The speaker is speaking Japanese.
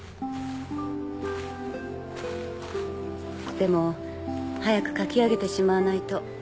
でも早く描き上げてしまわないと。